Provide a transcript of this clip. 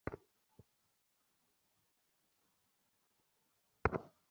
বার্সেলোনাকে সদ্যই বিদায় বলা আন্দ্রেস ইনিয়েস্তার পরবর্তী গন্তব্য চীনে নয়।